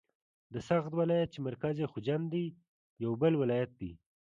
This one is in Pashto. د سغد ولایت چې مرکز یې خجند دی یو بل ولایت دی.